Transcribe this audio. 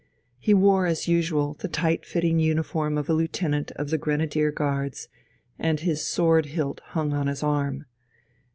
He wore as usual the tight fitting uniform of a lieutenant of the Grenadier Guards, and his sword hilt hung on his arm.